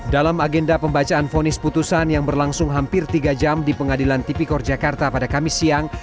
dalam agenda pembacaan fonis putusan yang berlangsung hampir tiga jam di pengadilan tipikor jakarta pada kamis siang